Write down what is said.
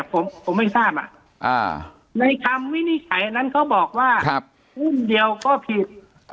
ผมไม่ทราบในคำวินิจฉัยอันนั้นเขาบอกว่าอุ้มเดียวก็ผิด